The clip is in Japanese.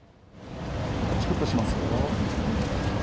ちくっとしますよ。